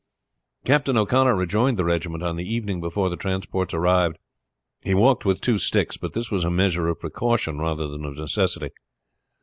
Captain O'Connor rejoined the regiment on the evening before the transports arrived. He walked with two sticks, but this was a measure of precaution rather than of necessity.